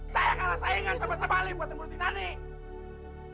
saya kalah saingan sama sama alih buat teman teman ini